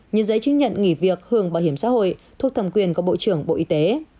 như giấy chứng nhận nghỉ việc hưởng bảo hiểm xã hội thuộc thẩm quyền của bộ trưởng bộ y tế